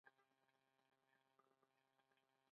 د خبرو په مرسته موږ د شخړو حل موندلای شو.